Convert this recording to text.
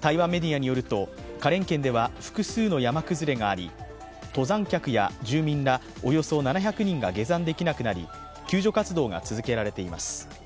台湾メディアによると花蓮県では複数の山崩れがあり登山客や住民らおよそ７００人が下山できなくなり救助活動が続けられています。